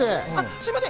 すみません。